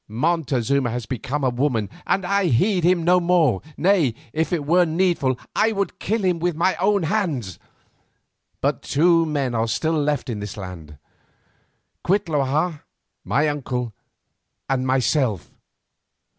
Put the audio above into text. Montezuma has become a woman, and I heed him no more, nay, if it were needful, I would kill him with my own hand. But two men are still left in the land, Cuitlahua, my uncle, and myself.